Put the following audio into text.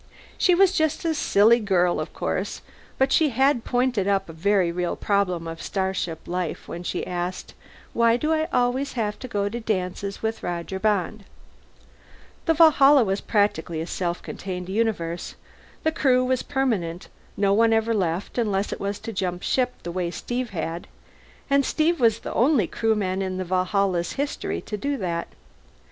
She was just a silly girl, of course, but she had pointed up a very real problem of starship life when she asked, "Why do I always have to go to dances with Roger Bond?" The Valhalla was practically a self contained universe. The Crew was permanent; no one ever left, unless it was to jump ship the way Steve had and Steve was the only Crewman in the Valhalla's history to do that.